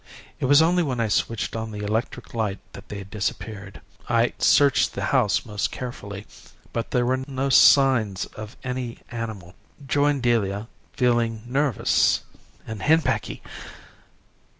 It was only when I switched on the electric light that they disappeared. I searched the house most carefully, but there were no signs of any animal. Joined Delia, feeling nervous and henpecky.